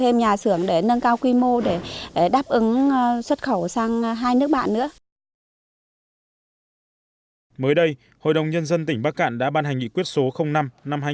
mới đây hội đồng nhân dân tỉnh bắc cạn đã ban hành nghị quyết số năm năm hai nghìn một mươi bốn